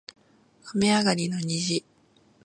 雨上がりの虹